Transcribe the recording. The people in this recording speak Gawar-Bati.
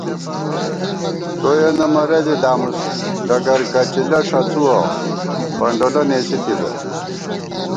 کویَنہ مرَضےدامُس ڈگرکچِلہ ݭَڅُوَہ فنڈولہ نېسِتِبہ